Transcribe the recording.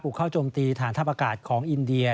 เข้าโจมตีฐานทัพอากาศของอินเดีย